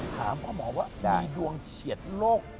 ถามพ่อหมอว่ามีดวงเฉียดโรค